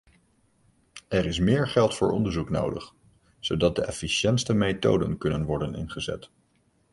Er is meer geld voor onderzoek nodig, zodat de efficiëntste methoden kunnen worden ingezet.